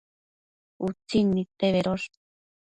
Utsin nidte bedosh